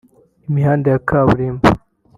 Imihanda ya kaburimbo